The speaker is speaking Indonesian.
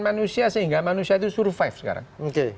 manusia sehingga manusia itu survive sekarang